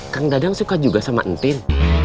kang dadang suka juga sama entin